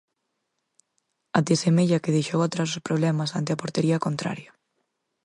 Até semella que deixou atrás os problemas ante a portería contraria.